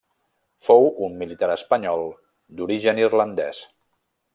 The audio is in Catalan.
Fou un militar espanyol d'origen irlandès.